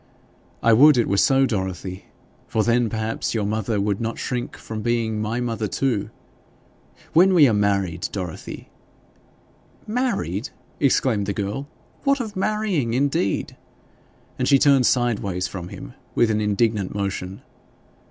'I would it were so, Dorothy! For then, perhaps, your mother would not shrink from being my mother too. When we are married, Dorothy ' 'Married!' exclaimed the girl. 'What of marrying, indeed!' And she turned sideways from him with an indignant motion.